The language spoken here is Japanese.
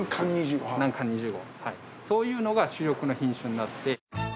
そういうのが主力の品種になって。